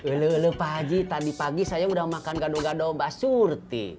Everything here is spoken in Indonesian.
lalu pak haji tadi pagi saya udah makan gado gado mbak surti